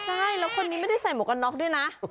ใช่แล้วคนนี้ไม่ได้ใส่หมวกกันน็อกด้วยนะ